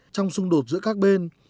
trong xung đột giữa các bên